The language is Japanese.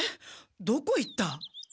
どこ行った？